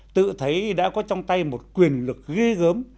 tự thấy đã có trong tay một quyền lực ghê gớm